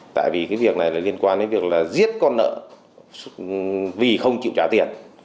tại vì cái việc này là liên quan đến việc là giết con nợ vì không chịu trả tiền